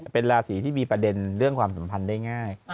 เป็นราศีที่มีประเด็นเรื่องความสัมพันธ์ได้ง่าย